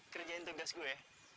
kerjain tugas gue